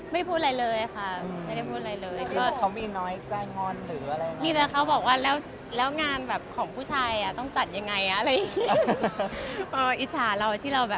ไม่เปลี่ยนอะไรทั้งนั้นอะไม่ต้องตั้งดีกว่าค่ะ